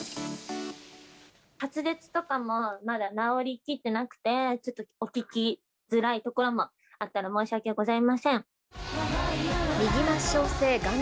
滑舌とかもまだ治りきってなくて、ちょっとお聞きづらいところもあったら申し訳ございません。